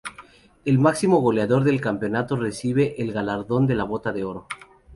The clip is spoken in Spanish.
El máximo goleador del campeonato recibe el galardón de la Bota de Oro.